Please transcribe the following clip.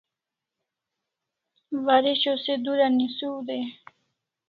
Waresho se dura nisiu dai